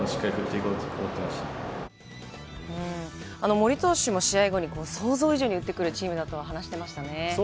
森投手も試合後に想像以上に打ってくるチームだと話してましたね。